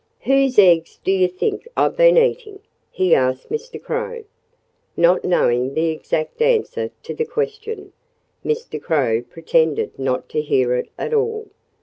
"Whose eggs do you think I've been eating?" he asked Mr. Crow. Not knowing the exact answer to the question, Mr. Crow pretended not to hear it at all.